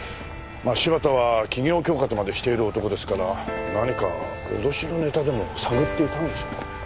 まあ柴田は企業恐喝までしている男ですから何か脅しのネタでも探っていたんでしょうか？